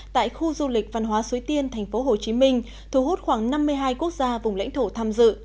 tại khu du lịch văn hóa suối tiên thành phố hồ chí minh thu hút khoảng năm mươi hai quốc gia vùng lãnh thổ tham dự